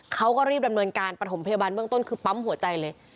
เขาก็รีบดำเนินการประถมพยาบาลเบื้องต้นคือปั๊มหัวใจเลย